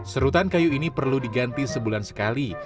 serutan kayu ini perlu diganti sebulan sekali